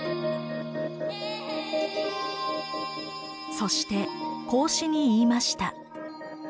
そして孔子に言いました。